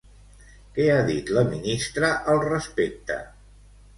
Què ha dit la ministra al respecte?